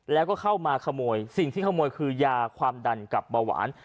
แล้วก็เข้ามาขโมยสิ่งที่ขโมยคือยาความดันกับเบาหวาน